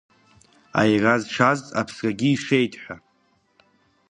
Аира зшаз, аԥсрагьы ишеит, ҳәа.